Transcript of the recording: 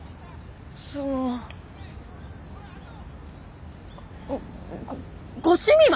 そのごご趣味は？